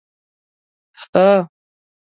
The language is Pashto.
_هه!